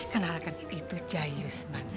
kenalkan itu jayusman